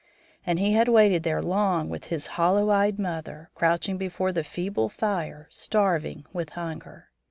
And he had waited there long with his hollow eyed mother, crouching before the feeble fire, starving with hunger.